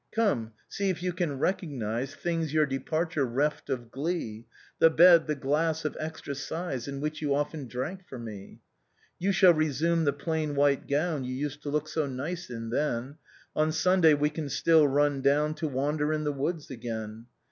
Come, see if you can recognize Things your departure reft of glee, The bed, the glass of extra size. In which you often drank for me. " You shall resume the plain white gowu You used to look so nice in, then; On Sunday we can still run down To wander in the woods again.